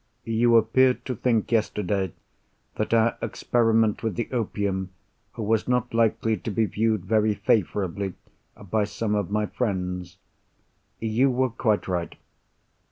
You appeared to think, yesterday, that our experiment with the opium was not likely to be viewed very favourably by some of my friends. You were quite right.